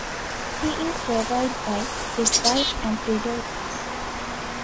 He is survived by his wife and three daughters.